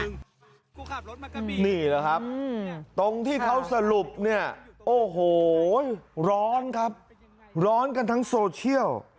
นี่แหละครับตรงที่เขาสรุปเนี่ยโอ้โหร้อนครับร้อนกันทั้งโซเชียล